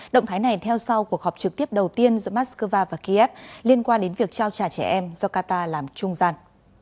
động thái này theo sau cuộc họp trực tiếp đầu tiên giữa moscow và kiev liên quan đến việc trao trả trẻ em do qatar làm trung gian